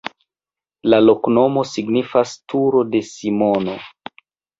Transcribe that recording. La loknomo signifas: turo de Simono.